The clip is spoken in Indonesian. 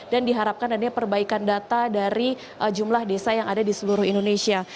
dan diharapkan adanya perbaikan data dari jumlah desa yang ada di seluruh indonesia